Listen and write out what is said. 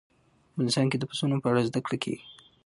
افغانستان کې د پسونو په اړه زده کړه کېږي.